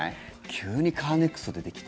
急にカーネクスト出てきて。